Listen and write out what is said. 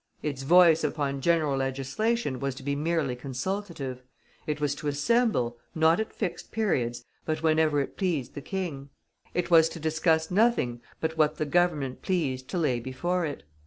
Its voice upon general legislation was to be merely consultative; it was to assemble, not at fixed periods, but whenever it pleased the King; it was to discuss nothing but what the Government pleased to lay before it.